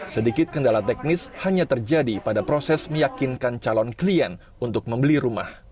sedikit kendala teknis hanya terjadi pada proses meyakinkan calon klien untuk membeli rumah